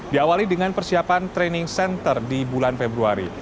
diawali dengan persiapan training center di bulan februari